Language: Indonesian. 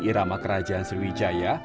irama kerajaan sriwijaya